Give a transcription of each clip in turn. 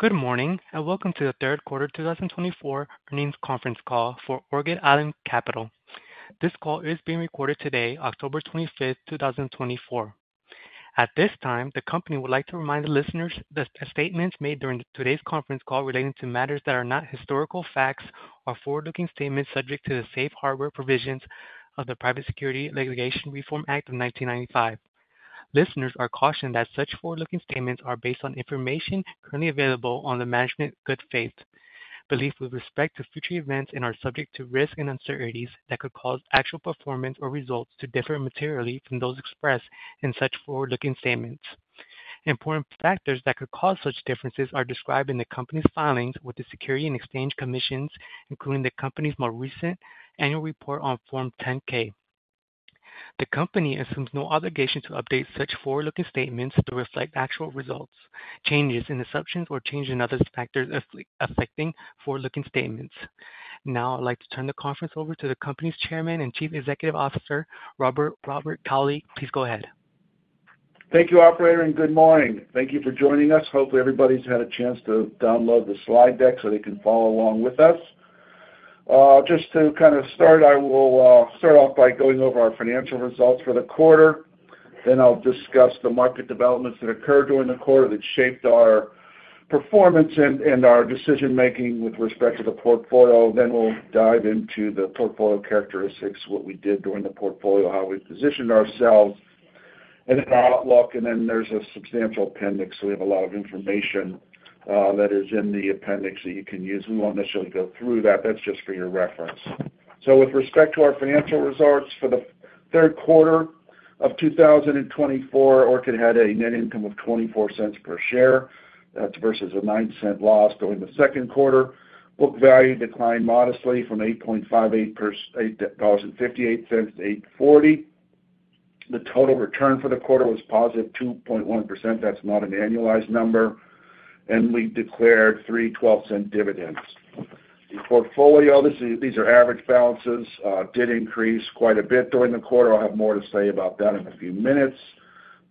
Good morning, and welcome to the third quarter 2024 earnings conference call for Orchid Island Capital. This call is being recorded today, October twenty-fifth, 2024. At this time, the company would like to remind the listeners that statements made during today's conference call relating to matters that are not historical facts or forward-looking statements subject to the safe harbor provisions of the Private Securities Litigation Reform Act of 1995. Listeners are cautioned that such forward-looking statements are based on information currently available on the management's good faith, belief with respect to future events, and are subject to risks and uncertainties that could cause actual performance or results to differ materially from those expressed in such forward-looking statements. Important factors that could cause such differences are described in the company's filings with the Securities and Exchange Commission, including the company's more recent Annual Report on Form 10-K. The company assumes no obligation to update such forward-looking statements to reflect actual results, changes in assumptions, or changes in other factors affecting forward-looking statements. Now, I'd like to turn the conference over to the company's Chairman and Chief Executive Officer, Robert Cauley. Please go ahead. Thank you, operator, and good morning. Thank you for joining us. Hopefully, everybody's had a chance to download the slide deck so they can follow along with us. Just to kind of start, I will start off by going over our financial results for the quarter. Then I'll discuss the market developments that occurred during the quarter that shaped our performance and, and our decision-making with respect to the portfolio. Then we'll dive into the portfolio characteristics, what we did during the portfolio, how we positioned ourselves, and then our outlook. And then there's a substantial appendix. We have a lot of information, that is in the appendix that you can use. We won't necessarily go through that. That's just for your reference. With respect to our financial results, for the third quarter of two thousand and twenty-four, Orchid had a net income of $0.24 per share. That's versus a $0.09 loss during the second quarter. Book value declined modestly from $8.58 to $8.40. The total return for the quarter was positive 2.1%. That's not an annualized number, and we declared three $0.12 dividends. The portfolio, these, these are average balances, did increase quite a bit during the quarter. I'll have more to say about that in a few minutes.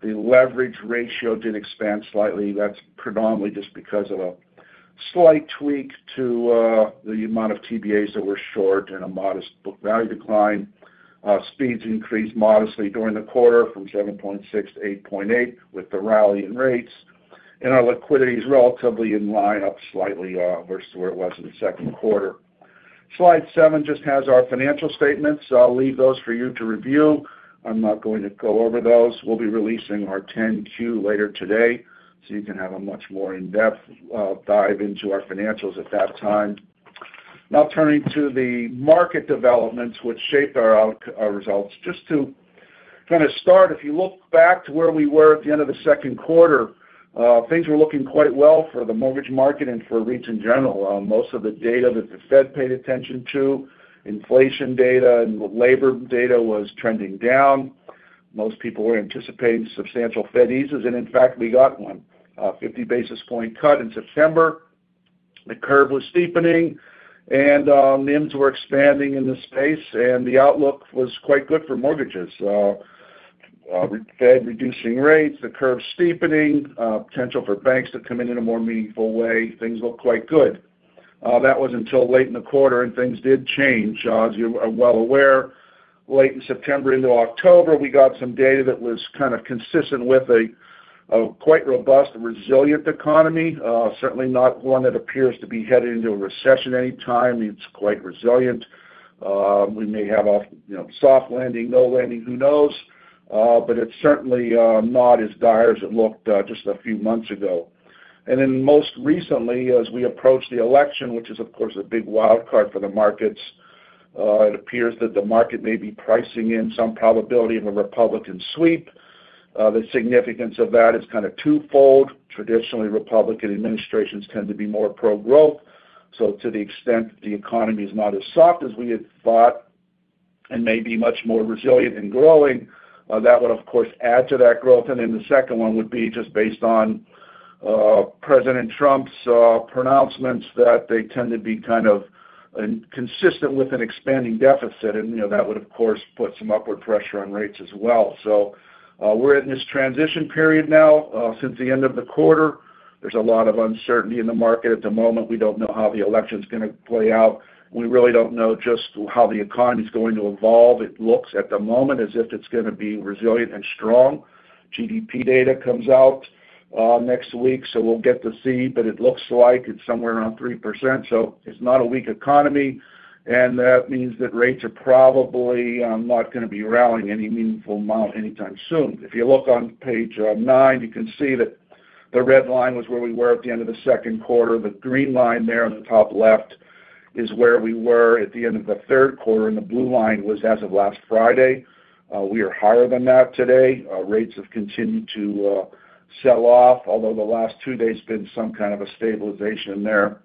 The leverage ratio did expand slightly. That's predominantly just because of a slight tweak to the amount of TBAs that were short and a modest book value decline. Speeds increased modestly during the quarter from 7.6 to 8.8, with the rally in rates, and our liquidity is relatively in line, up slightly, versus where it was in the second quarter. Slide 7 just has our financial statements. I'll leave those for you to review. I'm not going to go over those. We'll be releasing our 10-Q later today, so you can have a much more in-depth dive into our financials at that time. Now, turning to the market developments which shaped our results. Just to kind of start, if you look back to where we were at the end of the second quarter, things were looking quite well for the mortgage market and for REITs in general. Most of the data that the Fed paid attention to, inflation data and labor data, was trending down. Most people were anticipating substantial Fed eases, and in fact, we got one, a fifty basis point cut in September. The curve was steepening and, the IOs were expanding in this space, and the outlook was quite good for mortgages. With Fed reducing rates, the curve steepening, potential for banks to come in in a more meaningful way, things looked quite good. That was until late in the quarter, and things did change. As you are well aware, late in September into October, we got some data that was kind of consistent with a quite robust and resilient economy. Certainly not one that appears to be headed into a recession anytime. It's quite resilient. We may have a, you know, soft landing, no landing, who knows? But it's certainly not as dire as it looked just a few months ago. And then most recently, as we approach the election, which is, of course, a big wildcard for the markets, it appears that the market may be pricing in some probability of a Republican sweep. The significance of that is kind of twofold. Traditionally, Republican administrations tend to be more pro-growth. So to the extent the economy is not as soft as we had thought and may be much more resilient and growing, that would, of course, add to that growth. And then the second one would be just based on President Trump's pronouncements, that they tend to be kind of consistent with an expanding deficit, and, you know, that would, of course, put some upward pressure on rates as well. We're in this transition period now, since the end of the quarter. There's a lot of uncertainty in the market at the moment. We don't know how the election's gonna play out. We really don't know just how the economy is going to evolve. It looks at the moment as if it's gonna be resilient and strong. GDP data comes out next week, so we'll get to see, but it looks like it's somewhere around 3%, so it's not a weak economy, and that means that rates are probably not gonna be rallying any meaningful amount anytime soon. If you look on page nine, you can see that the red line was where we were at the end of the second quarter. The green line there on the top left is where we were at the end of the third quarter, and the blue line was as of last Friday. We are higher than that today. Rates have continued to sell off, although the last two days been some kind of a stabilization there.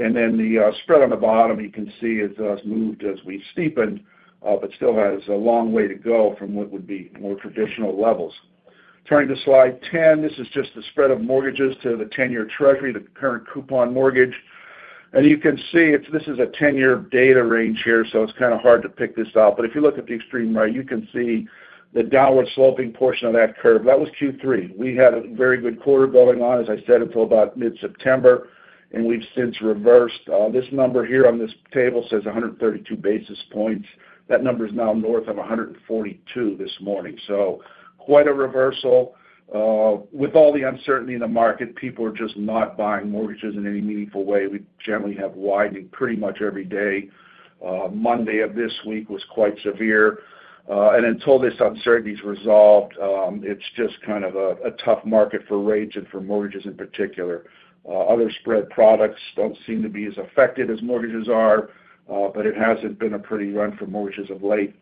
And then the spread on the bottom, you can see it, has moved as we steepened, but still has a long way to go from what would be more traditional levels. Turning to slide 10. This is just the spread of mortgages to the 10-year Treasury, the current coupon mortgage. And you can see, this is a 10-year data range here, so it's kind of hard to pick this out. But if you look at the extreme right, you can see the downward sloping portion of that curve. That was Q3. We had a very good quarter going on, as I said, until about mid-September, and we've since reversed. This number here on this table says one hundred and thirty-two basis points. That number is now north of one hundred and forty-two this morning. So quite a reversal. With all the uncertainty in the market, people are just not buying mortgages in any meaningful way. We generally have widening pretty much every day. Monday of this week was quite severe, and until this uncertainty is resolved, it's just kind of a tough market for rates and for mortgages in particular. Other spread products don't seem to be as affected as mortgages are, but it hasn't been a pretty run for mortgages of late.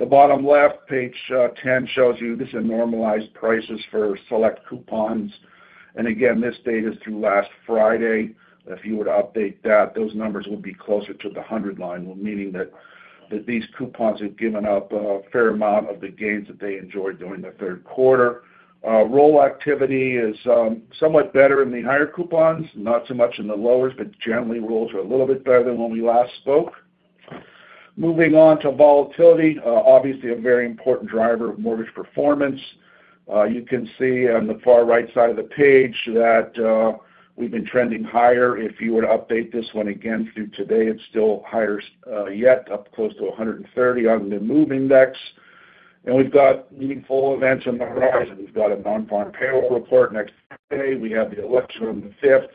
The bottom left, page 10, shows you this is normalized prices for select coupons. And again, this data is through last Friday. If you were to update that, those numbers would be closer to the hundred line, meaning that, that these coupons have given up a fair amount of the gains that they enjoyed during the third quarter. Roll activity is somewhat better in the higher coupons, not so much in the lowers, but generally, rolls are a little bit better than when we last spoke. Moving on to volatility, obviously, a very important driver of mortgage performance. You can see on the far right side of the page that, we've been trending higher. If you were to update this one again through today, it's still higher, yet, up close to one hundred and thirty on the MOVE Index. And we've got meaningful events on the horizon. We've got a Nonfarm Payrolls report next Friday. We have the election on the fifth,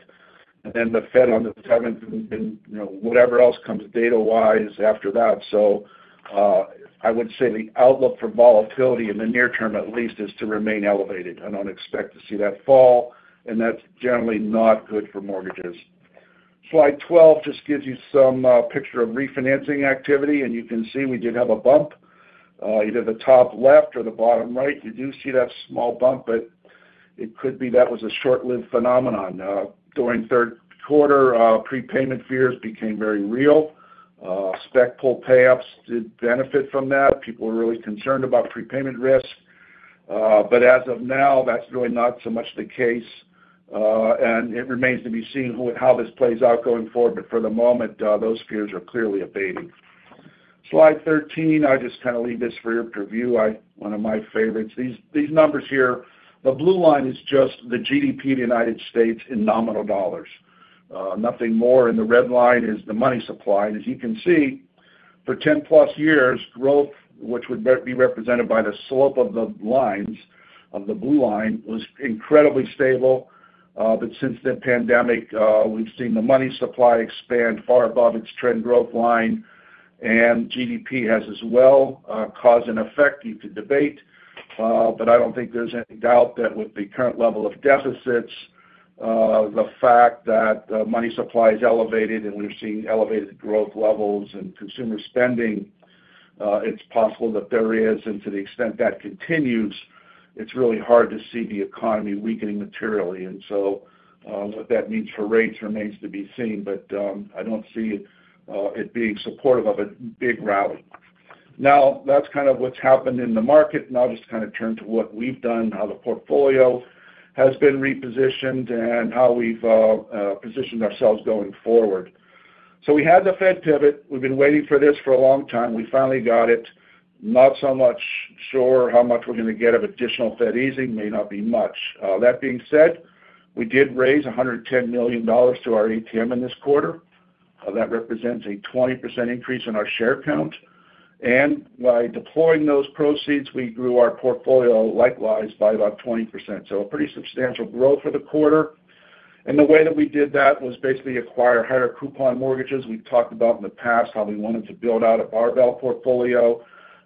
and then the Fed on the seventh, and you know, whatever else comes data-wise after that, so I would say the outlook for volatility in the near term, at least, is to remain elevated. I don't expect to see that fall, and that's generally not good for mortgages. Slide 12 just gives you some picture of refinancing activity, and you can see we did have a bump. Either the top left or the bottom right, you do see that small bump, but it could be that was a short-lived phenomenon. During third quarter, prepayment fears became very real. Spec pool pay-ups did benefit from that. People were really concerned about prepayment risk, but as of now, that's really not so much the case. And it remains to be seen who and how this plays out going forward, but for the moment, those fears are clearly abating. Slide thirteen, I just kind of leave this for your perusal. One of my favorites. These numbers here, the blue line is just the GDP of the United States in nominal dollars, nothing more, and the red line is the money supply. As you can see, for 10 plus years, growth, which would be represented by the slope of the lines, of the blue line, was incredibly stable. But since the pandemic, we've seen the money supply expand far above its trend growth line, and GDP has as well, cause and effect you could debate. But I don't think there's any doubt that with the current level of deficits, the fact that money supply is elevated and we're seeing elevated growth levels and consumer spending, it's possible that there is, and to the extent that continues, it's really hard to see the economy weakening materially. And so, what that means for rates remains to be seen, but I don't see it being supportive of a big rally. Now, that's kind of what's happened in the market. Now, I'll just kind of turn to what we've done, how the portfolio has been repositioned, and how we've positioned ourselves going forward. So we had the Fed pivot. We've been waiting for this for a long time. We finally got it. Not so much sure how much we're going to get of additional Fed easing. May not be much. That being said, we did raise $110 million to our ATM in this quarter. That represents a 20% increase in our share count. And by deploying those proceeds, we grew our portfolio likewise by about 20%. So a pretty substantial growth for the quarter. And the way that we did that was basically acquire higher coupon mortgages. We've talked about in the past how we wanted to build out a barbell portfolio.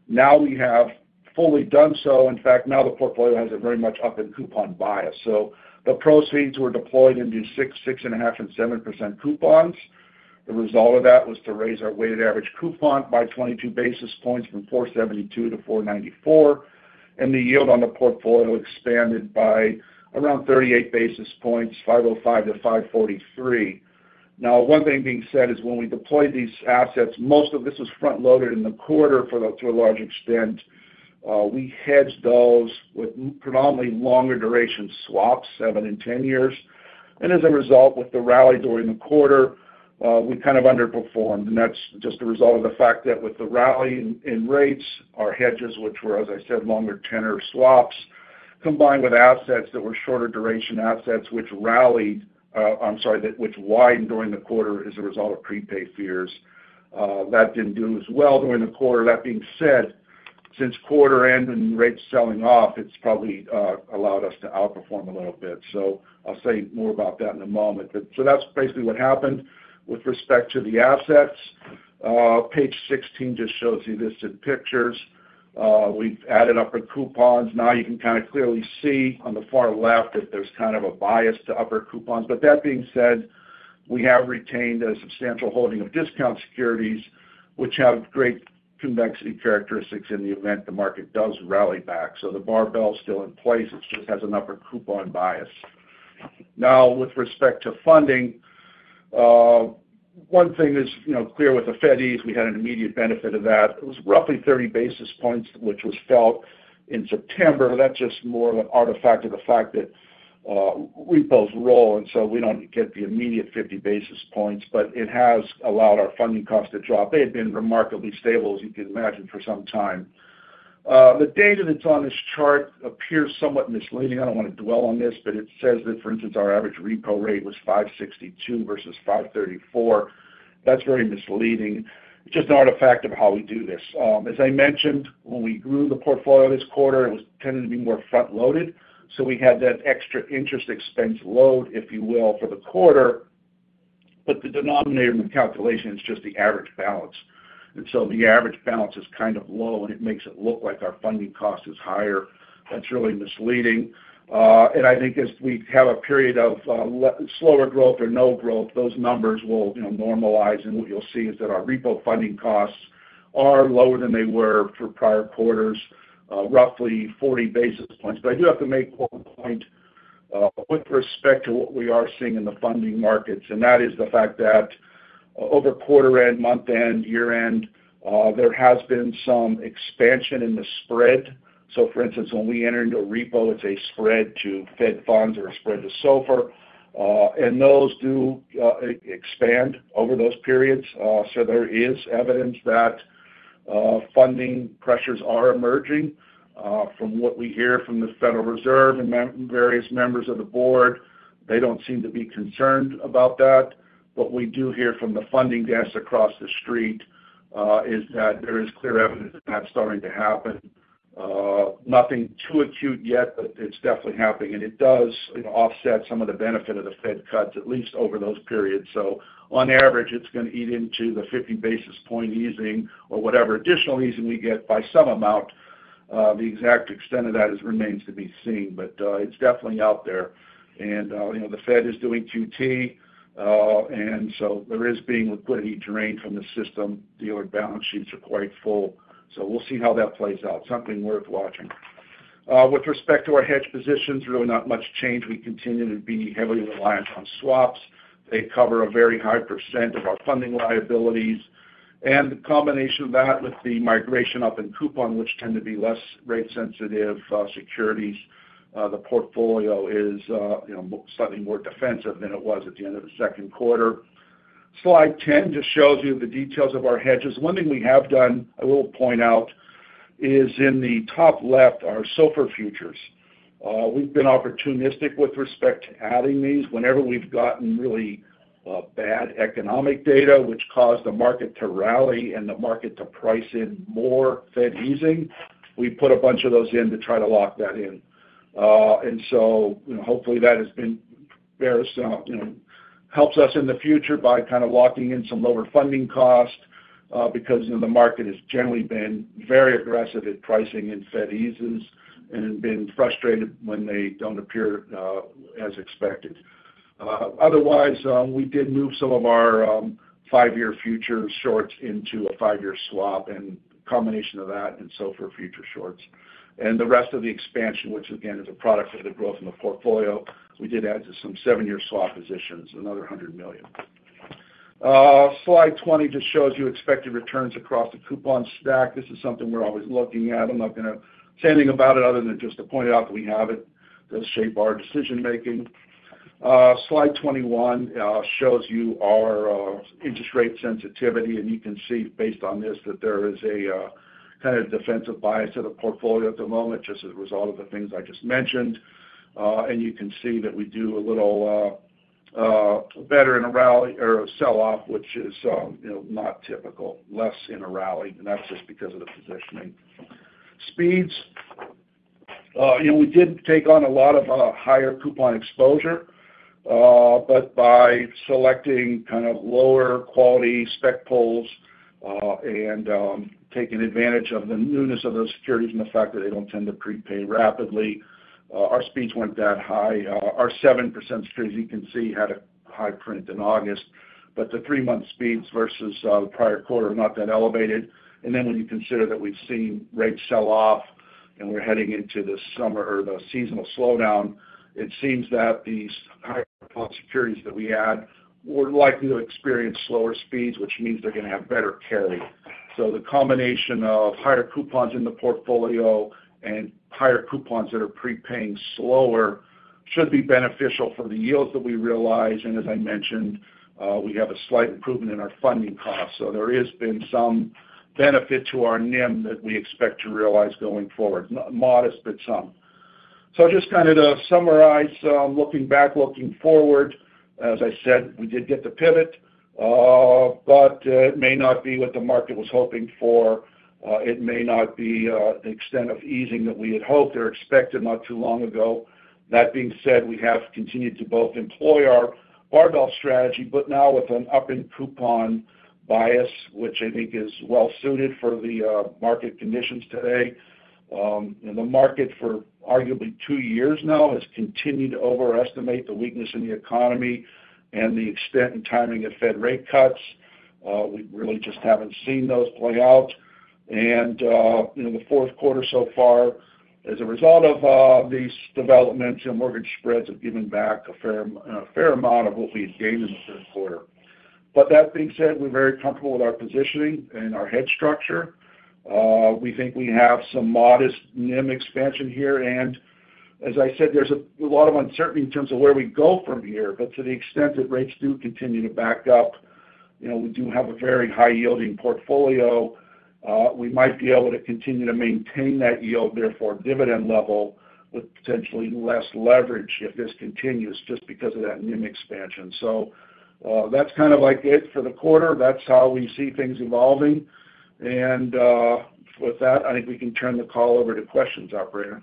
Now we have fully done so. In fact, now the portfolio has a very much up in coupon bias. So the proceeds were deployed in the 6%, 6.5%, and 7% coupons. The result of that was to raise our weighted average coupon by 22 basis points from 4.72 to 4.94, and the yield on the portfolio expanded by around 38 basis points, 505 to 543. Now, one thing being said is when we deployed these assets, most of this was front-loaded in the quarter to a large extent. We hedged those with predominantly longer duration swaps, 7 and 10 years. And as a result, with the rally during the quarter, we kind of underperformed. And that's just a result of the fact that with the rally in rates, our hedges, which were, as I said, longer tenor swaps, combined with assets that were shorter duration assets, which rallied, I'm sorry, that which widened during the quarter as a result of prepay fears. That didn't do as well during the quarter. That being said, since quarter end and rates selling off, it's probably allowed us to outperform a little bit. So I'll say more about that in a moment. But so that's basically what happened with respect to the assets. Page 16 just shows you this in pictures. We've added upper coupons. Now, you can kind of clearly see on the far left that there's kind of a bias to upper coupons. But that being said, we have retained a substantial holding of discount securities, which have great convexity characteristics in the event the market does rally back. So the barbell is still in place. It just has an upper coupon bias. Now, with respect to funding, one thing is, you know, clear with the Fed ease, we had an immediate benefit of that. It was roughly thirty basis points, which was felt in September. That's just more of an artifact of the fact that repos roll, and so we don't get the immediate fifty basis points, but it has allowed our funding costs to drop. They had been remarkably stable, as you can imagine, for some time. The data that's on this chart appears somewhat misleading. I don't want to dwell on this, but it says that, for instance, our average repo rate was 5.62 versus 5.34. That's very misleading. It's just an artifact of how we do this. As I mentioned, when we grew the portfolio this quarter, it was tending to be more front-loaded, so we had that extra interest expense load, if you will, for the quarter. But the denominator in the calculation is just the average balance, and so the average balance is kind of low, and it makes it look like our funding cost is higher. That's really misleading. And I think as we have a period of slower growth or no growth, those numbers will, you know, normalize, and what you'll see is that our repo funding costs are lower than they were for prior quarters, roughly 40 basis points. But I do have to make one point, with respect to what we are seeing in the funding markets, and that is the fact that over quarter end, month end, year end, there has been some expansion in the spread. So for instance, when we enter into a repo, it's a spread to Fed funds or a spread to SOFR, and those do expand over those periods. So there is evidence that funding pressures are emerging. From what we hear from the Federal Reserve and various members of the board, they don't seem to be concerned about that. What we do hear from the funding desks across the street is that there is clear evidence that's starting to happen. Nothing too acute yet, but it's definitely happening, and it does offset some of the benefit of the Fed cuts, at least over those periods. So on average, it's gonna eat into the 50 basis point easing or whatever additional easing we get by some amount. The exact extent of that is remains to be seen, but, it's definitely out there. And, you know, the Fed is doing QT, and so there is being liquidity drained from the system. Dealer balance sheets are quite full. So we'll see how that plays out. Something worth watching. With respect to our hedge positions, really not much change. We continue to be heavily reliant on swaps. They cover a very high percent of our funding liabilities, and the combination of that with the migration up in coupon, which tend to be less rate-sensitive, securities, the portfolio is, you know, slightly more defensive than it was at the end of the second quarter. Slide 10 just shows you the details of our hedges. One thing we have done, I will point out, is in the top left, our SOFR futures. We've been opportunistic with respect to adding these. Whenever we've gotten really bad economic data, which caused the market to rally and the market to price in more Fed easing, we put a bunch of those in to try to lock that in. And so, you know, hopefully, that has been... There is, you know, helps us in the future by kind of locking in some lower funding costs, because, you know, the market has generally been very aggressive at pricing in Fed easings and been frustrated when they don't appear, as expected. Otherwise, we did move some of our five-year future shorts into a five-year swap, and a combination of that and SOFR future shorts. And the rest of the expansion, which again, is a product of the growth in the portfolio, we did add to some 7-year swap positions, another $100 million. Slide 20 just shows you expected returns across the coupon stack. This is something we're always looking at. I'm not gonna say anything about it other than just to point out that we have it. It does shape our decision-making. Slide 21 shows you our interest rate sensitivity, and you can see based on this, that there is a kind of defensive bias to the portfolio at the moment, just as a result of the things I just mentioned. And you can see that we do a little better in a rally or a sell-off, which is, you know, not typical, less in a rally, and that's just because of the positioning. Speeds. You know, we did take on a lot of higher coupon exposure, but by selecting kind of lower quality spec pools and taking advantage of the newness of those securities and the fact that they don't tend to prepay rapidly, our speeds weren't that high. Our 7% speeds, you can see, had a high print in August, but the three-month speeds versus the prior quarter are not that elevated, and then when you consider that we've seen rates sell off and we're heading into the summer or the seasonal slowdown, it seems that these higher coupon securities that we add were likely to experience slower speeds, which means they're gonna have better carry, so the combination of higher coupons in the portfolio and higher coupons that are prepaying slower should be beneficial for the yields that we realize. And as I mentioned, we have a slight improvement in our funding costs, so there has been some benefit to our NIM that we expect to realize going forward. Modest, but some. So just kind of to summarize, looking back, looking forward, as I said, we did get the pivot, but it may not be what the market was hoping for. It may not be the extent of easing that we had hoped or expected not too long ago. That being said, we have continued to both employ our barbell strategy, but now with an up in coupon bias, which I think is well suited for the market conditions today. And the market for arguably two years now has continued to overestimate the weakness in the economy and the extent and timing of Fed rate cuts. We really just haven't seen those play out. And, in the fourth quarter so far, as a result of these developments, you know, mortgage spreads have given back a fair amount of what we had gained in the third quarter. But that being said, we're very comfortable with our positioning and our hedge structure. We think we have some modest NIM expansion here. And as I said, there's a lot of uncertainty in terms of where we go from here. But to the extent that rates do continue to back up, you know, we do have a very high-yielding portfolio. We might be able to continue to maintain that yield, therefore dividend level, with potentially less leverage if this continues, just because of that NIM expansion. So, that's kind of like it for the quarter. That's how we see things evolving. And, with that, I think we can turn the call over to questions, operator.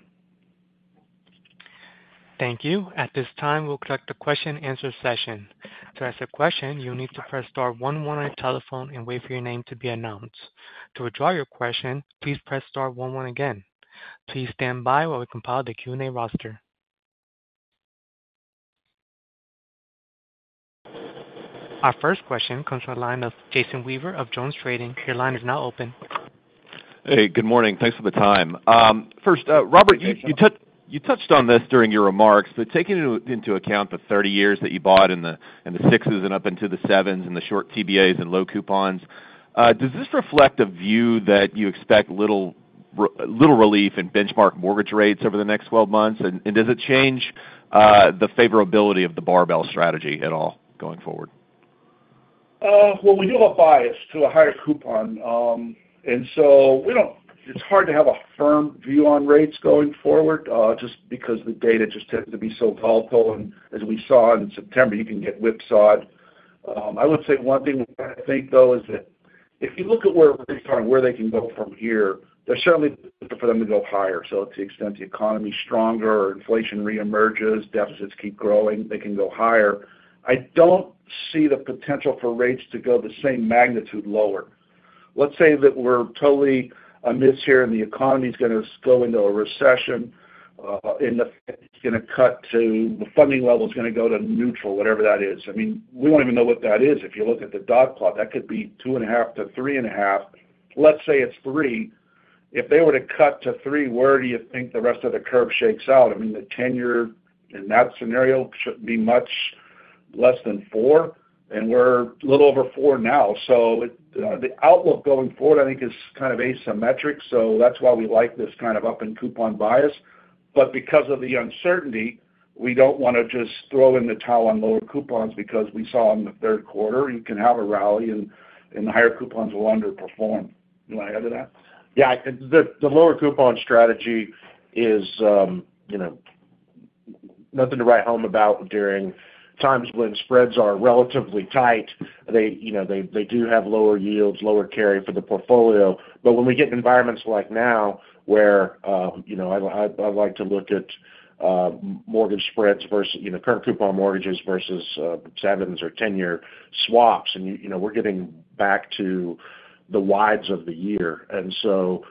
Thank you. At this time, we'll collect the question-answer session. To ask a question, you'll need to press star one one on your telephone and wait for your name to be announced. To withdraw your question, please press star one one again. Please stand by while we compile the Q&A roster. Our first question comes from the line of Jason Weaver of JonesTrading. Your line is now open. Hey, good morning. Thanks for the time. First, Robert, you touched on this during your remarks, but taking into account the thirty years that you bought in the sixes and up into the sevens and the short TBAs and low coupons, does this reflect a view that you expect little relief in benchmark mortgage rates over the next twelve months? And does it change the favorability of the barbell strategy at all going forward? We do have a bias to a higher coupon. It's hard to have a firm view on rates going forward, just because the data just tends to be so volatile, and as we saw in September, you can get whipsawed. I would say one thing we kind of think, though, is that if you look at where rates are and where they can go from here, there's certainly for them to go higher. To the extent the economy is stronger or inflation reemerges, deficits keep growing, they can go higher. I don't see the potential for rates to go the same magnitude lower. Let's say that we're totally amiss here, and the economy is gonna go into a recession, and the Fed is gonna cut to... the funding level is gonna go to neutral, whatever that is. I mean, we don't even know what that is. If you look at the dot plot, that could be two and a half to three and a half. Let's say it's three. If they were to cut to three, where do you think the rest of the curve shakes out? I mean, the 10-year in that scenario shouldn't be much less than four, and we're a little over four now. So it, the outlook going forward, I think, is kind of asymmetric. So that's why we like this kind of up in coupon bias. But because of the uncertainty, we don't want to just throw in the towel on lower coupons because we saw in the third quarter, you can have a rally, and the higher coupons will underperform. You want to add to that? Yeah, the lower coupon strategy is, you know, nothing to write home about during times when spreads are relatively tight. They, you know, they do have lower yields, lower carry for the portfolio. But when we get in environments like now, where, you know, I'd like to look at mortgage spreads versus, you know, current coupon mortgages versus sevens or ten-year swaps, and you know, we're getting back to the wides of the year. And so,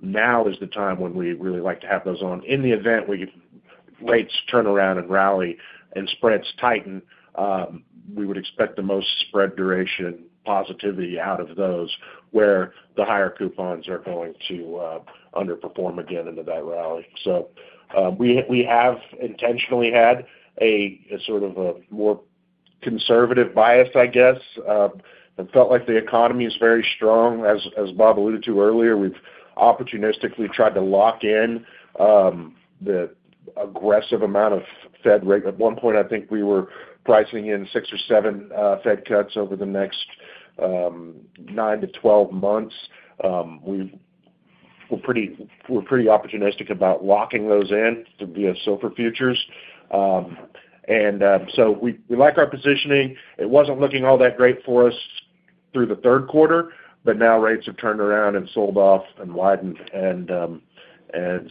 now is the time when we really like to have those on. In the event rates turn around and rally and spreads tighten, we would expect the most spread duration positivity out of those, where the higher coupons are going to underperform again into that rally. So, we have intentionally had a sort of a more conservative bias, I guess, and felt like the economy is very strong. As Bob alluded to earlier, we've opportunistically tried to lock in the aggressive amount of Fed rate. At one point, I think we were pricing in six or seven Fed cuts over the next nine to 12 months. We're pretty opportunistic about locking those in via SOFR futures. And so we like our positioning. It wasn't looking all that great for us through the third quarter, but now rates have turned around and sold off and widened. And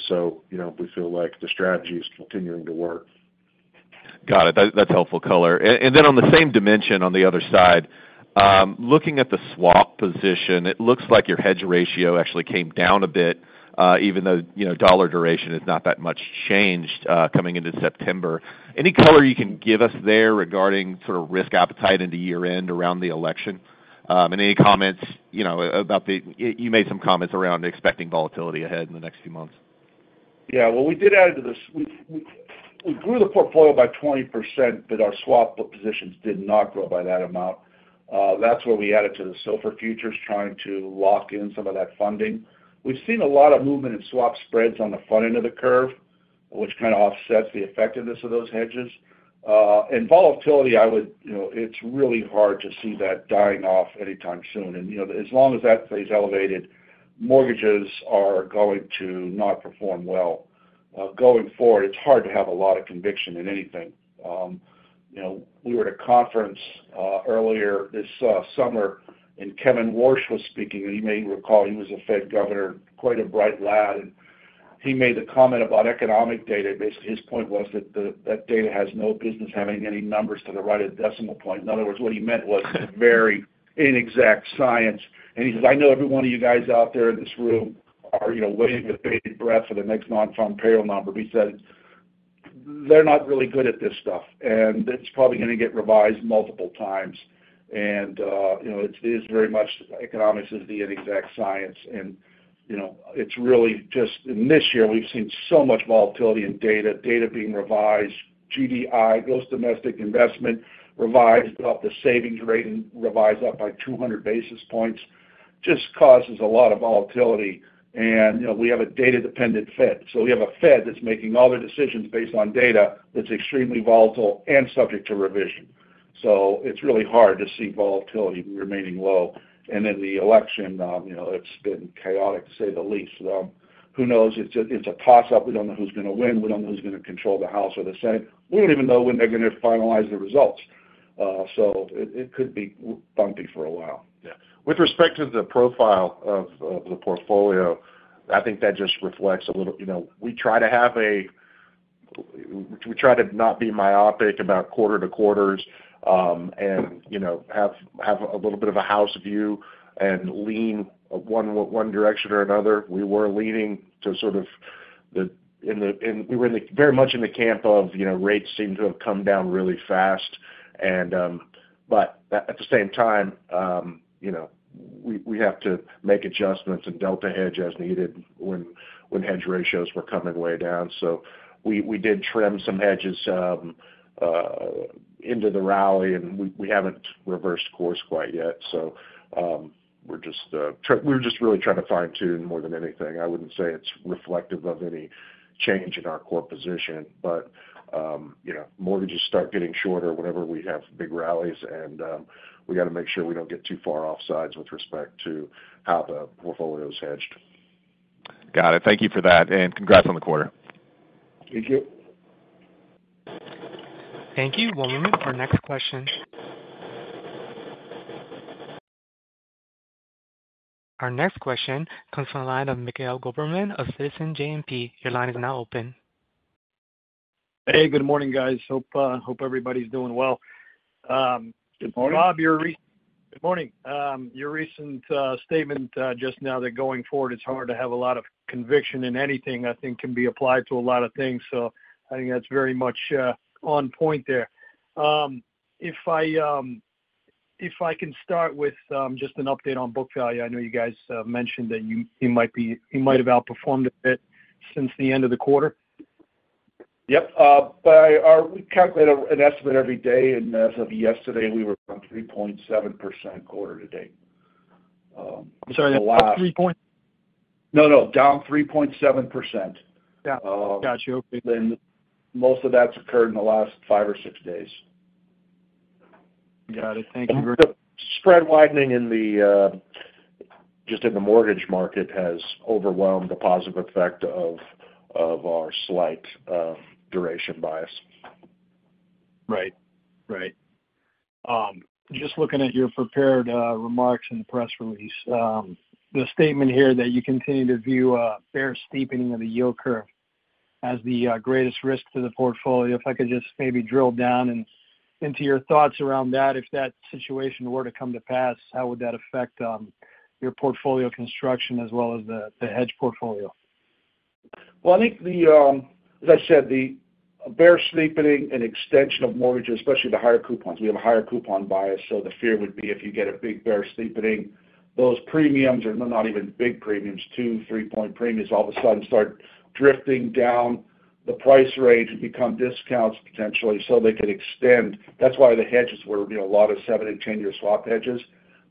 so, you know, we feel like the strategy is continuing to work. Got it. That, that's helpful color. And then on the same dimension, on the other side, looking at the swap position, it looks like your hedge ratio actually came down a bit, even though, you know, dollar duration is not that much changed, coming into September. Any color you can give us there regarding sort of risk appetite into year-end around the election? And any comments, you know, about the... You made some comments around expecting volatility ahead in the next few months. Yeah, well, we did add to this. We grew the portfolio by 20%, but our swap positions did not grow by that amount. That's where we added to the SOFR futures, trying to lock in some of that funding. We've seen a lot of movement in swap spreads on the front end of the curve, which kind of offsets the effectiveness of those hedges. And volatility, you know, it's really hard to see that dying off anytime soon. And, you know, as long as that stays elevated, mortgages are going to not perform well. Going forward, it's hard to have a lot of conviction in anything. You know, we were at a conference earlier this summer, and Kevin Warsh was speaking, and you may recall, he was a Fed governor, quite a bright lad. And he made the comment about economic data. Basically, his point was that the, that data has no business having any numbers to the right of the decimal point. In other words, what he meant was it's very inexact science. And he says: "I know every one of you guys out there in this room are, you know, waiting with bated breath for the next Nonfarm Payrolls number." But he said, "They're not really good at this stuff, and it's probably going to get revised multiple times." And, you know, it, it is very much economics is the inexact science. And, you know, it's really just in this year, we've seen so much volatility in data, data being revised, GDI, Gross Domestic Income, revised up the savings rate and revised up by 200 basis points. Just causes a lot of volatility. And, you know, we have a data-dependent Fed. So we have a Fed that's making all their decisions based on data that's extremely volatile and subject to revision. So it's really hard to see volatility remaining low. And then the election, you know, it's been chaotic, to say the least. Who knows? It's a toss-up. We don't know who's going to win. We don't know who's going to control the House or the Senate. We don't even know when they're going to finalize the results. So it could be bumpy for a while. Yeah. With respect to the profile of the portfolio, I think that just reflects a little, you know, we try to not be myopic about quarter to quarters, and, you know, have a little bit of a house view and lean one direction or another. We were very much in the camp of, you know, rates seem to have come down really fast. And, but at the same time, you know, we have to make adjustments and delta hedge as needed when hedge ratios were coming way down. So we did trim some hedges into the rally, and we haven't reversed course quite yet. So, we're just really trying to fine-tune more than anything. I wouldn't say it's reflective of any change in our core position. But, you know, mortgages start getting shorter whenever we have big rallies, and we got to make sure we don't get too far offsides with respect to how the portfolio is hedged. Got it. Thank you for that, and congrats on the quarter. Thank you. Thank you. One moment. Our next question. Our next question comes from the line of Mikhail Goberman of Citizens JMP. Your line is now open. Hey, good morning, guys. Hope everybody's doing well. Good morning. Bob, good morning. Your recent statement just now that going forward, it’s hard to have a lot of conviction in anything, I think can be applied to a lot of things. So I think that’s very much on point there. If I can start with just an update on book value. I know you guys mentioned that you might have outperformed a bit since the end of the quarter. Yep. We calculate an estimate every day, and as of yesterday, we were down 3.7% quarter to date. The last- I'm sorry, up three point? No, no, down 3.7%. Yeah. Got you. Okay. Most of that's occurred in the last five or six days. Got it. Thank you very- The spread widening just in the mortgage market has overwhelmed the positive effect of our slight duration bias. Right. Right. Just looking at your prepared remarks in the press release, the statement here that you continue to view a bear steepening of the yield curve as the greatest risk to the portfolio. If I could just maybe drill down into your thoughts around that. If that situation were to come to pass, how would that affect your portfolio construction as well as the hedge portfolio? Well, I think the, as I said, the bear steepening and extension of mortgages, especially the higher coupons, we have a higher coupon bias, so the fear would be if you get a big bear steepening, those premiums, or not even big premiums, two, three-point premiums, all of a sudden start drifting down the price range and become discounts potentially, so they can extend. That's why the hedges were, you know, a lot of seven and 10-year swap hedges.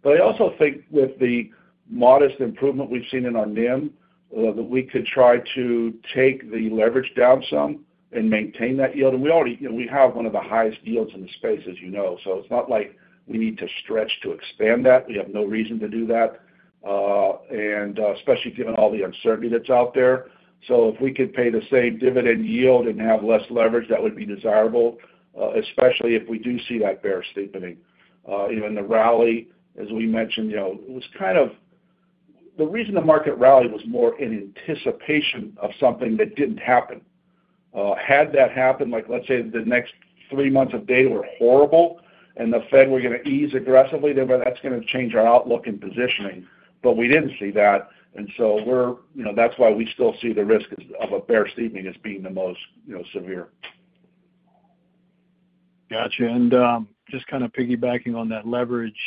But I also think with the modest improvement we've seen in our NIM, that we could try to take the leverage down some and maintain that yield. And we already, you know, we have one of the highest yields in the space, as you know, so it's not like we need to stretch to expand that. We have no reason to do that, and, especially given all the uncertainty that's out there. So if we could pay the same dividend yield and have less leverage, that would be desirable, especially if we do see that bear steepening. You know, in the rally, as we mentioned, you know, it was kind of... The reason the market rallied was more in anticipation of something that didn't happen. Had that happened, like, let's say, the next three months of data were horrible and the Fed were going to ease aggressively, then well, that's going to change our outlook and positioning. But we didn't see that, and so we're, you know, that's why we still see the risk as, of a bear steepening as being the most, you know, severe. Gotcha, and just kind of piggybacking on that leverage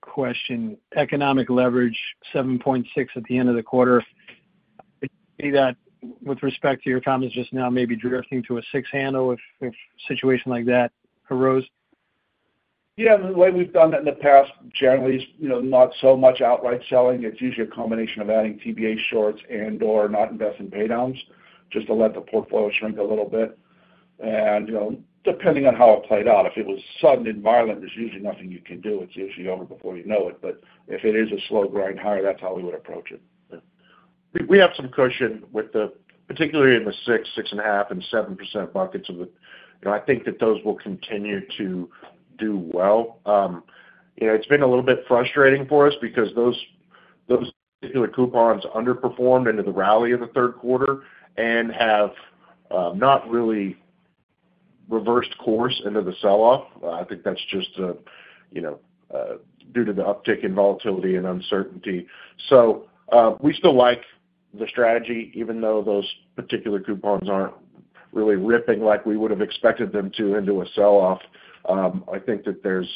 question, economic leverage, 7.6 at the end of the quarter. I see that with respect to your comments just now, maybe drifting to a six handle if a situation like that arose? Yeah, the way we've done that in the past, generally is, you know, not so much outright selling. It's usually a combination of adding TBA shorts and/or not investing pay downs, just to let the portfolio shrink a little bit. And, you know, depending on how it played out, if it was sudden and violent, there's usually nothing you can do. It's usually over before you know it. But if it is a slow grind higher, that's how we would approach it. We have some cushion with them, particularly in the 6, 6.5, and 7% buckets of the... You know, I think that those will continue to do well. You know, it's been a little bit frustrating for us because those particular coupons underperformed into the rally of the third quarter and have not really reversed course into the sell-off. I think that's just you know due to the uptick in volatility and uncertainty. So, we still like the strategy, even though those particular coupons aren't really ripping like we would have expected them to into a sell-off. I think that there's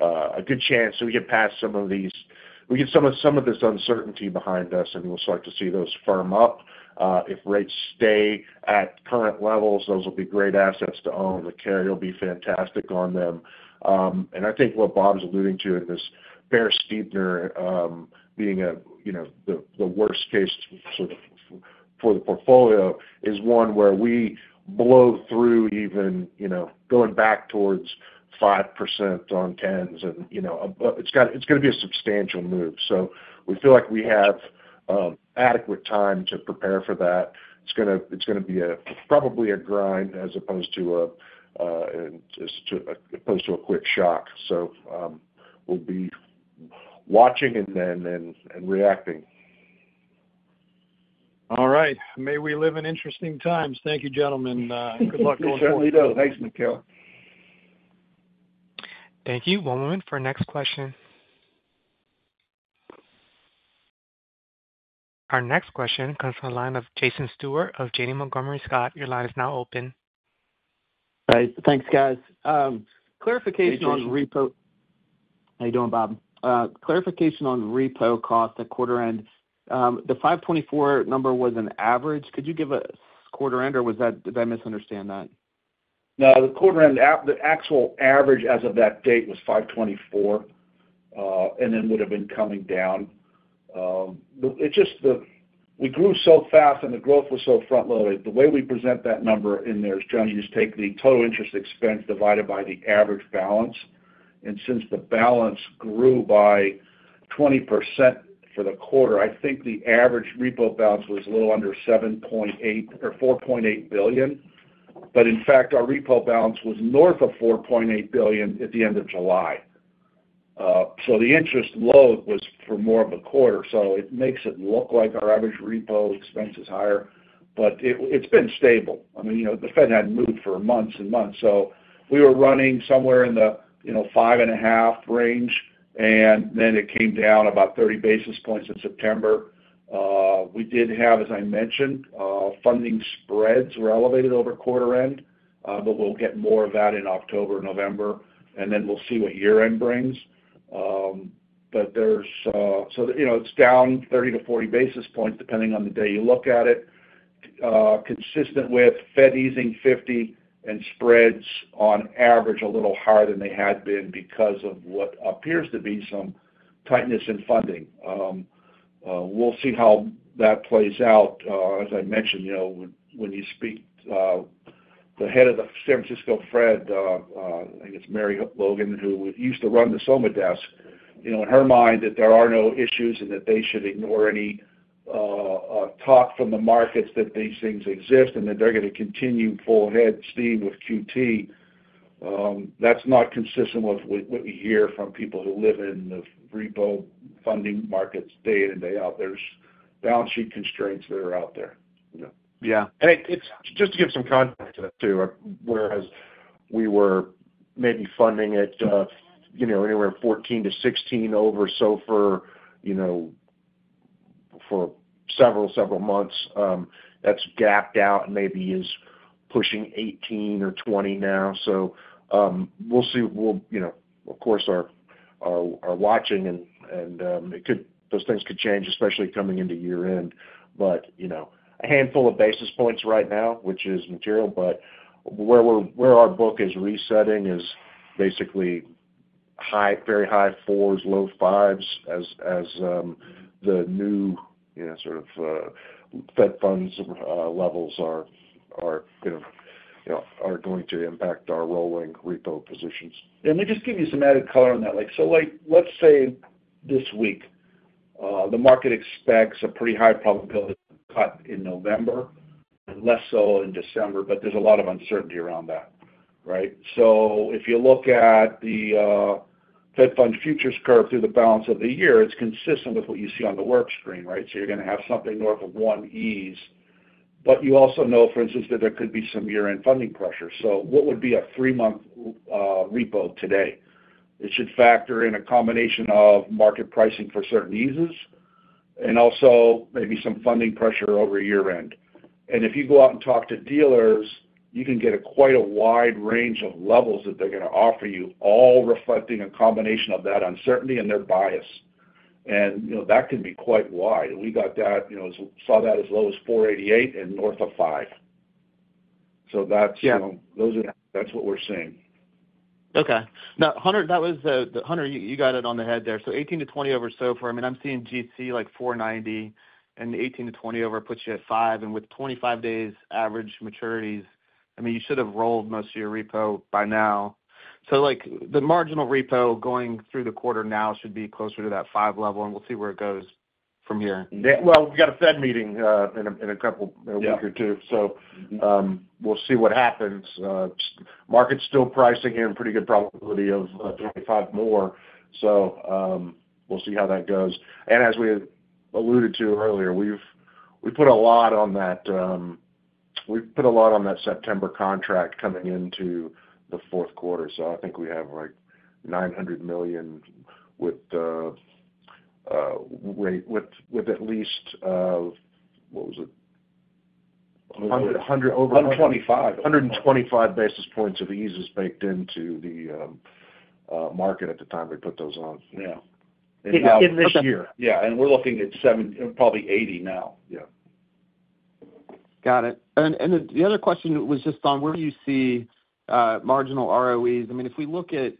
a good chance we get past some of these, we get some of this uncertainty behind us, and we'll start to see those firm up. If rates stay at current levels, those will be great assets to own. The carry will be fantastic on them.... And I think what Bob's alluding to in this bear steepening, being a, you know, the worst case sort of for the portfolio, is one where we blow through even, you know, going back towards 5% on tens and, you know, but it's gonna be a substantial move. So we feel like we have adequate time to prepare for that. It's gonna be a, probably a grind as opposed to a quick shock. So, we'll be watching and then reacting. All right. May we live in interesting times. Thank you, gentlemen. Good luck going forward. We certainly do. Thanks, Mikhail. Thank you. One moment for our next question. Our next question comes from the line of Jason Stewart of Janney Montgomery Scott. Your line is now open. Hey, thanks, guys. Clarification on repo- Hey, Jason. How you doing, Bob? Clarification on repo cost at quarter end. The five twenty-four number was an average. Could you give us quarter end, or was that, did I misunderstand that? No, the quarter end, the actual average as of that date was 5.24, and then would have been coming down. We grew so fast and the growth was so front-loaded. The way we present that number in there is, John, you just take the total interest expense divided by the average balance. And since the balance grew by 20% for the quarter, I think the average repo balance was a little under $7.8 or $4.8 billion. But in fact, our repo balance was north of $4.8 billion at the end of July. So the interest load was for more of a quarter, so it makes it look like our average repo expense is higher, but it's been stable. I mean, you know, the Fed hadn't moved for months and months, so we were running somewhere in the 5.5 range, and then it came down about 30 basis points in September. We did have, as I mentioned, funding spreads were elevated over quarter end, but we'll get more of that in October, November, and then we'll see what year-end brings. There's, so, you know, it's down 30-40 basis points, depending on the day you look at it, consistent with Fed easing 50 and spreads on average, a little higher than they had been because of what appears to be some tightness in funding. We'll see how that plays out. As I mentioned, you know, when you speak the head of the San Francisco Fed, I think it's Lorie Logan, who used to run the SOMA desk. You know, in her mind, that there are no issues and that they should ignore any talk from the markets that these things exist and that they're going to continue full ahead, steam with QT. That's not consistent with what we hear from people who live in the repo funding markets day in and day out. There's balance sheet constraints that are out there, you know? Yeah. It's just to give some context to that, too, whereas we were maybe funding it, you know, anywhere 14-16 over SOFR, you know, for several months, that's gapped out and maybe is pushing 18 or 20 now. We'll see. You know, of course we're watching and those things could change, especially coming into year end. You know, a handful of basis points right now, which is material, but where our book is resetting is basically high very high fours, low fives, as the new, you know, sort of Fed funds levels are you know going to impact our rolling repo positions. Let me just give you some added color on that. Like, so like, let's say this week, the market expects a pretty high probability to cut in November and less so in December, but there's a lot of uncertainty around that, right? So if you look at the Fed Funds futures curve through the balance of the year, it's consistent with what you see on the WIRP screen, right? So you're gonna have something north of one ease, but you also know, for instance, that there could be some year-end funding pressure. So what would be a three-month repo today? It should factor in a combination of market pricing for certain eases and also maybe some funding pressure over year end. And if you go out and talk to dealers, you can get quite a wide range of levels that they're gonna offer you, all reflecting a combination of that uncertainty and their bias. And, you know, that can be quite wide. We got that, you know, saw that as low as four eighty-eight and north of five. So that's- Yeah. Those are. That's what we're seeing. Okay. Now, Hunter, that was the answer, you got it on the head there. So 18-20 over SOFR. I mean, I'm seeing GC, like 4.90, and 18-20 over puts you at 5, and with 25 days average maturities, I mean, you should have rolled most of your repo by now. So, like, the marginal repo going through the quarter now should be closer to that 5 level, and we'll see where it goes from here. Yeah. Well, we've got a Fed meeting in a couple- Yeah A week or two. So, we'll see what happens. Market's still pricing in pretty good probability of 25 more. So, we'll see how that goes. And as we alluded to earlier, we've put a lot on that September contract coming into the fourth quarter. So I think we have, like, $900 million with at least 125 basis points of ease baked into the market at the time we put those on. Yeah. In this year. Yeah, and we're looking at seven, probably eighty now. Yeah.... Got it. And the other question was just on where do you see marginal ROEs? I mean, if we look at,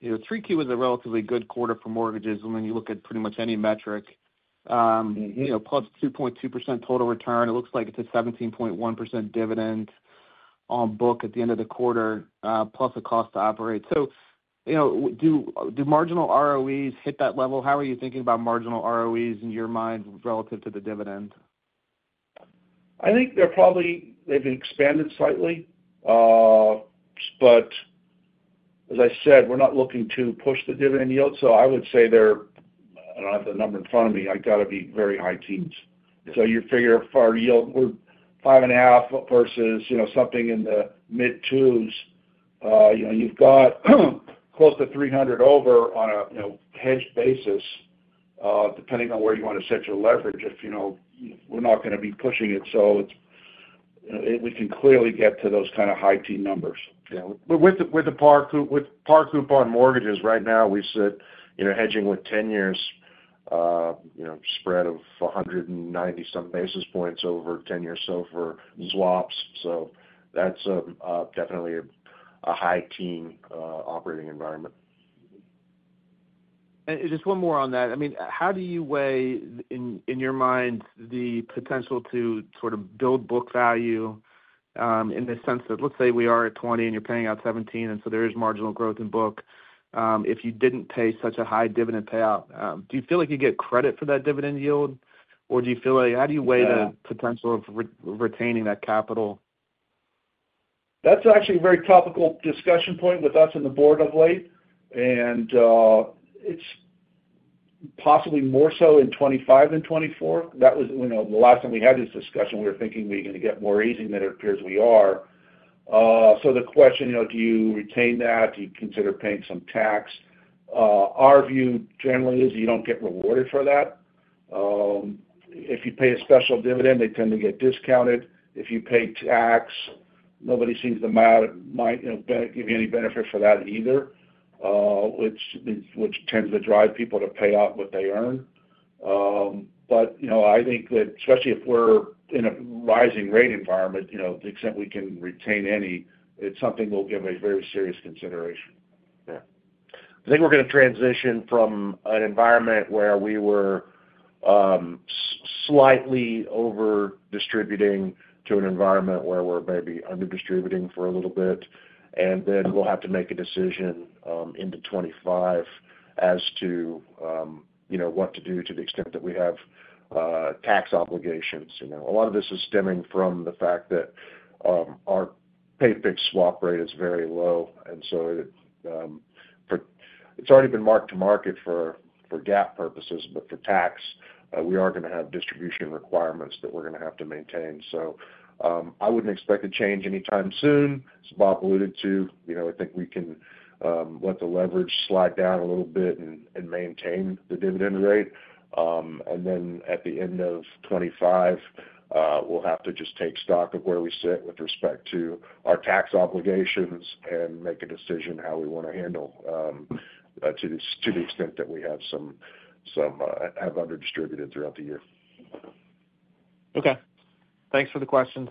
you know, 3Q was a relatively good quarter for mortgages, and when you look at pretty much any metric, you know, plus 2.2% total return, it looks like it's a 17.1% dividend on book at the end of the quarter, plus a cost to operate. So, you know, do marginal ROEs hit that level? How are you thinking about marginal ROEs in your mind relative to the dividend? I think they're probably, they've expanded slightly. But as I said, we're not looking to push the dividend yield. So I would say they're, I don't have the number in front of me, it's gotta be very high teens. So you figure for our yield, we're five and a half versus, you know, something in the mid-twos. You know, you've got close to three hundred over on a, you know, hedged basis, depending on where you want to set your leverage. You know, we're not gonna be pushing it, so we can clearly get to those kind of high teen numbers. Yeah. But with the par coupon mortgages, right now, we sit, you know, hedging with ten years, you know, spread of one hundred and ninety some basis points over ten years, so for swaps. So that's definitely a high teen operating environment. Just one more on that. I mean, how do you weigh, in your mind, the potential to sort of build book value, in the sense that, let's say we are at twenty and you're paying out seventeen, and so there is marginal growth in book, if you didn't pay such a high dividend payout, do you feel like you get credit for that dividend yield? Or do you feel like- how do you weigh the- Yeah... potential of retaining that capital? That's actually a very topical discussion point with us and the board of late. It's possibly more so in 2025 than 2024. That was, you know, the last time we had this discussion, we were thinking we were gonna get more easing than it appears we are. The question, you know, do you retain that? Do you consider paying some tax? Our view generally is you don't get rewarded for that. If you pay a special dividend, they tend to get discounted. If you pay tax, nobody seems to care. It might, you know, not give you any benefit for that either, which tends to drive people to pay out what they earn. But, you know, I think that especially if we're in a rising rate environment, you know, the extent we can retain any, it's something we'll give a very serious consideration. Yeah. I think we're gonna transition from an environment where we were slightly over-distributing to an environment where we're maybe under-distributing for a little bit, and then we'll have to make a decision into 2025 as to you know what to do to the extent that we have tax obligations. You know, a lot of this is stemming from the fact that our pay fixed swap rate is very low, and so it's already been marked to market for GAAP purposes, but for tax we are gonna have distribution requirements that we're gonna have to maintain. So I wouldn't expect a change anytime soon. As Bob alluded to, you know, I think we can let the leverage slide down a little bit and maintain the dividend rate. And then at the end of 2025, we'll have to just take stock of where we sit with respect to our tax obligations and make a decision how we wanna handle, to the extent that we have some under-distributed throughout the year. Okay. Thanks for the questions.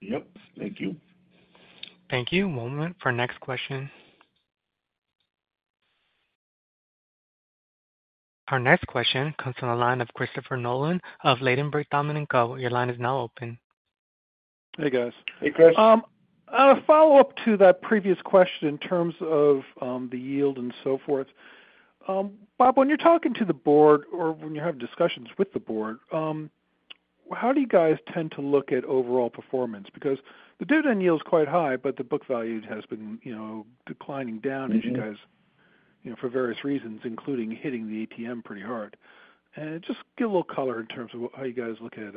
Yep, thank you. Thank you. One moment for next question. Our next question comes from the line of Christopher Nolan of Ladenburg Thalmann & Co. Your line is now open. Hey, guys. Hey, Chris. A follow-up to that previous question in terms of the yield and so forth. Bob, when you're talking to the board or when you're having discussions with the board, how do you guys tend to look at overall performance? Because the dividend yield is quite high, but the book value has been, you know, declining down as you guys... you know, for various reasons, including hitting the ATM pretty hard. And just give a little color in terms of how you guys look at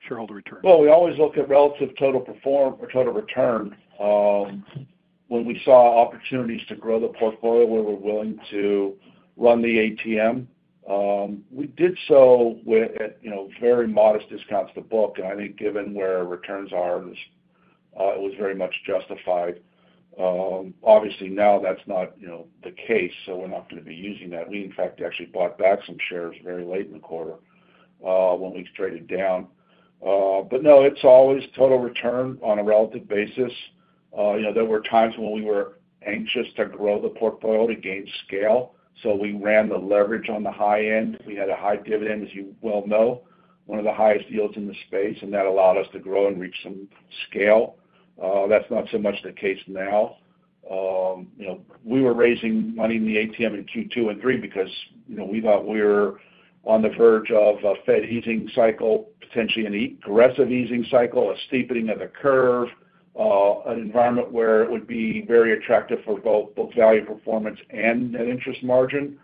shareholder return. We always look at relative total performance or total return. When we saw opportunities to grow the portfolio, we were willing to run the ATM. We did so with, you know, very modest discounts to book. And I think given where our returns are, it was very much justified. Obviously now that's not, you know, the case, so we're not gonna be using that. We, in fact, actually bought back some shares very late in the quarter when we traded down. But no, it's always total return on a relative basis. You know, there were times when we were anxious to grow the portfolio to gain scale, so we ran the leverage on the high end. We had a high dividend, as you well know, one of the highest yields in the space, and that allowed us to grow and reach some scale. That's not so much the case now. You know, we were raising money in the ATM in Q2 and Q3 because, you know, we thought we were on the verge of a Fed easing cycle, potentially an aggressive easing cycle, a steepening of the curve, an environment where it would be very attractive for both book value performance and net interest margin.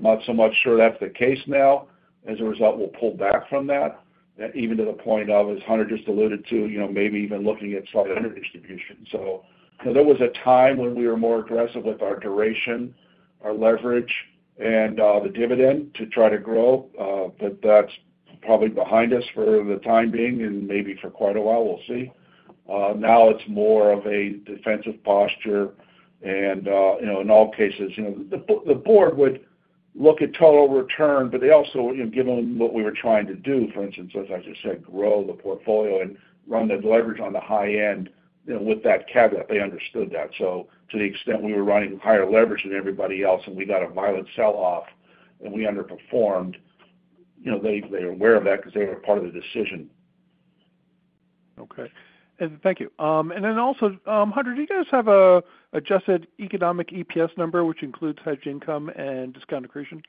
Not so much sure that's the case now. As a result, we'll pull back from that, even to the point of, as Hunter just alluded to, you know, maybe even looking at some under distribution. So, so there was a time when we were more aggressive with our duration, our leverage, and the dividend to try to grow, but that's probably behind us for the time being and maybe for quite a while, we'll see... Now it's more of a defensive posture. And you know, in all cases, you know, the board would look at total return, but they also, you know, given what we were trying to do, for instance, as I just said, grow the portfolio and run the leverage on the high end, you know, with that caveat, they understood that. So to the extent we were running higher leverage than everybody else, and we got a violent sell-off, and we underperformed, you know, they, they're aware of that because they were part of the decision. Okay and thank you, and then also, Hunter, do you guys have an adjusted economic EPS number which includes hedge income and discount accretion?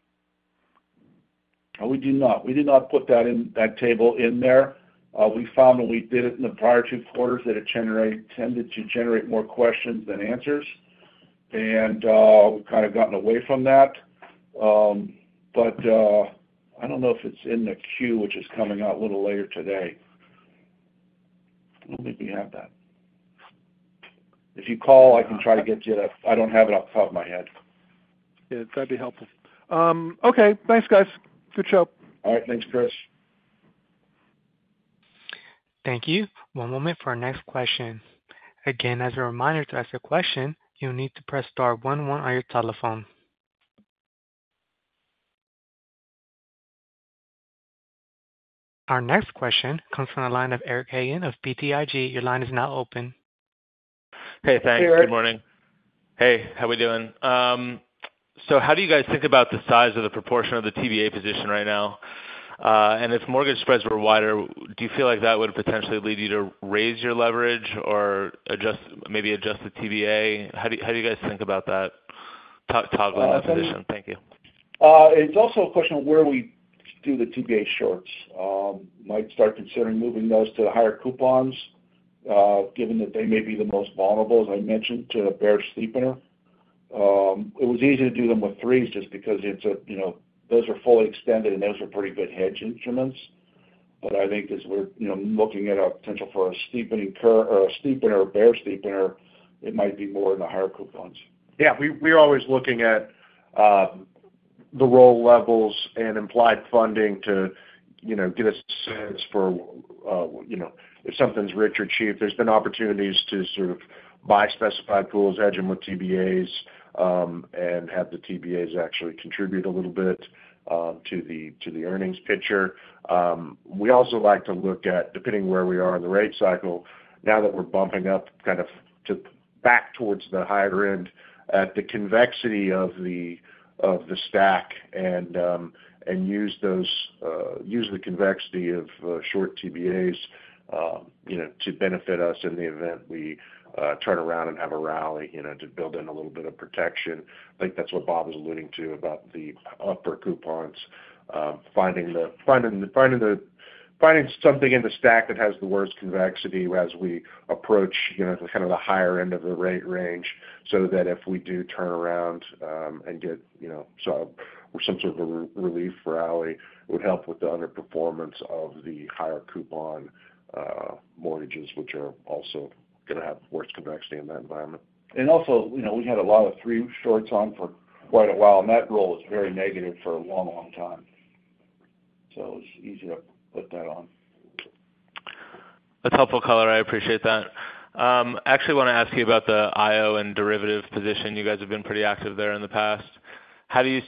We do not. We did not put that in, that table in there. We found when we did it in the prior two quarters, that it tended to generate more questions than answers, and we've kind of gotten away from that, but I don't know if it's in the Q, which is coming out a little later today. Let me have that. If you call, I can try to get you that. I don't have it off the top of my head. Yeah, that'd be helpful. Okay, thanks, guys. Good show. All right. Thanks, Chris. Thank you. One moment for our next question. Again, as a reminder, to ask a question, you'll need to press star one one on your telephone. Our next question comes from the line of Eric Hagen of BTIG. Your line is now open. Hey, thanks. Hey, Eric. Good morning. Hey, how we doing? So how do you guys think about the size of the proportion of the TBA position right now? And if mortgage spreads were wider, do you feel like that would potentially lead you to raise your leverage or adjust, maybe adjust the TBA? How do you guys think about that, toggling that position? Thank you. It's also a question of where we do the TBA shorts. Might start considering moving those to the higher coupons, given that they may be the most vulnerable, as I mentioned, to a bear steepener. It was easy to do them with threes just because it's a, you know, those are fully extended, and those are pretty good hedge instruments. But I think as we're, you know, looking at our potential for a steepening curve or a steepener, a bear steepener, it might be more in the higher coupons. Yeah, we're always looking at the roll levels and implied funding to, you know, get a sense for, you know, if something's rich or cheap. There's been opportunities to sort of buy specified pools, hedge them with TBAs, and have the TBAs actually contribute a little bit to the earnings picture. We also like to look at, depending on where we are in the rate cycle, now that we're bumping up kind of to back towards the higher end, at the convexity of the stack and use the convexity of short TBAs, you know, to benefit us in the event we turn around and have a rally, you know, to build in a little bit of protection. I think that's what Bob was alluding to about the upper coupons, finding something in the stack that has the worst convexity as we approach, you know, kind of the higher end of the rate range, so that if we do turn around and get, you know, some sort of a relief rally, it would help with the underperformance of the higher coupon mortgages, which are also going to have worse convexity in that environment. And also, you know, we had a lot of three shorts on for quite a while, and that roll was very negative for a long, long time. So it's easy to put that on. That's helpful color. I appreciate that. I actually want to ask you about the IO and derivative position. You guys have been pretty active there in the past. How do you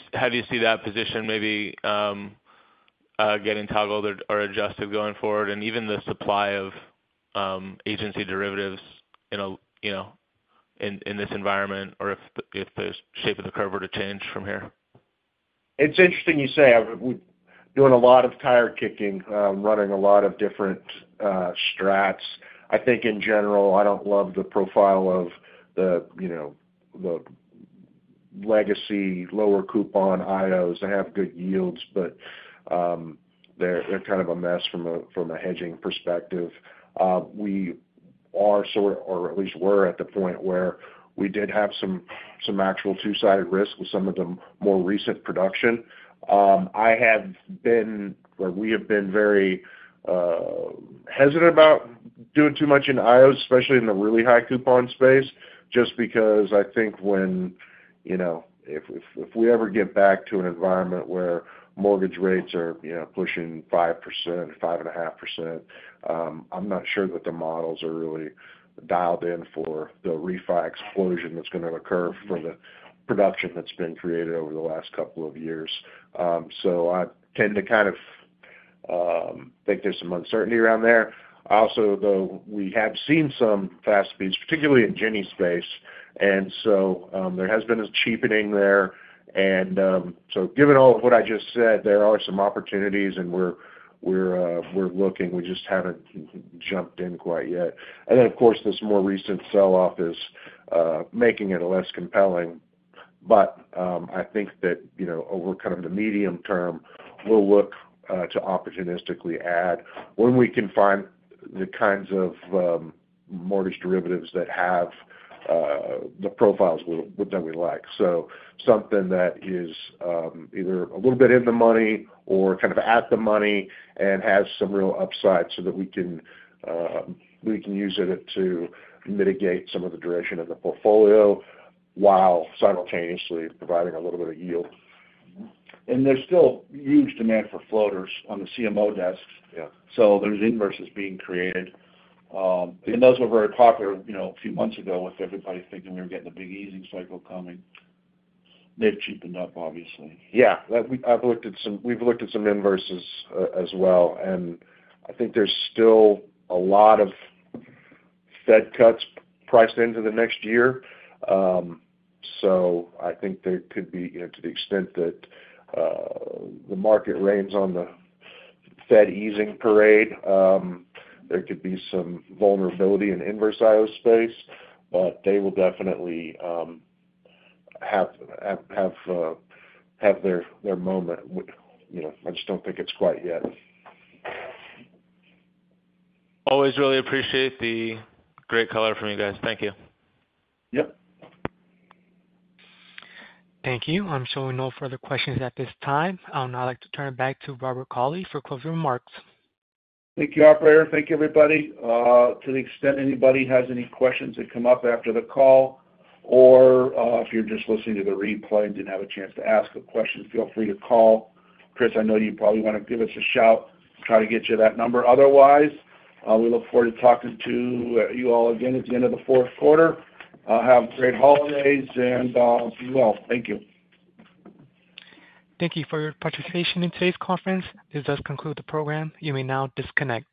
see that position maybe getting toggled or adjusted going forward? And even the supply of agency derivatives in a, you know, in this environment, or if the shape of the curve were to change from here? It's interesting you say. We've been doing a lot of tire kicking, running a lot of different strats. I think in general, I don't love the profile of the, you know, the legacy, lower coupon IOs. They have good yields, but they're kind of a mess from a hedging perspective. We're sort of, or at least were, at the point where we did have some actual two-sided risk with some of the more recent production. I have been, or we have been very hesitant about doing too much in IOs, especially in the really high coupon space, just because I think when, you know, if we ever get back to an environment where mortgage rates are, you know, pushing 5%, 5.5%, I'm not sure that the models are really dialed in for the refi explosion that's going to occur from the production that's been created over the last couple of years. So I tend to kind of think there's some uncertainty around there. Also, though, we have seen some fast speeds, particularly in Ginnie's space, and so there has been a cheapening there. So given all of what I just said, there are some opportunities, and we're looking. We just haven't jumped in quite yet. And then, of course, this more recent sell-off is making it less compelling. But I think that, you know, over kind of the medium term, we'll look to opportunistically add when we can find the kinds of mortgage derivatives that have the profiles that we like. So something that is either a little bit in the money or kind of at the money and has some real upside so that we can use it to mitigate some of the duration of the portfolio, while simultaneously providing a little bit of yield. There's still huge demand for floaters on the CMO desk. Yeah. So there's inverses being created. And those were very popular, you know, a few months ago, with everybody thinking we were getting a big easing cycle coming. They've cheapened up, obviously. Yeah, we've looked at some inverses as well, and I think there's still a lot of Fed cuts priced into the next year. So I think there could be, you know, to the extent that the market reins on the Fed easing parade, there could be some vulnerability in inverse IO space, but they will definitely have their moment. You know, I just don't think it's quite yet. Always really appreciate the great color from you guys. Thank you. Yep. Thank you. I'm showing no further questions at this time. I'll now like to turn it back to Bob Cauley for closing remarks. Thank you, operator. Thank you, everybody. To the extent anybody has any questions that come up after the call or, if you're just listening to the replay and didn't have a chance to ask a question, feel free to call. Chris, I know you probably want to give us a shout, try to get you that number. Otherwise, we look forward to talking to, you all again at the end of the fourth quarter. Have great holidays and, be well. Thank you. Thank you for your participation in today's conference. This does conclude the program. You may now disconnect.